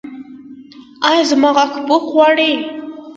ایا زما غاښ پوښ غواړي؟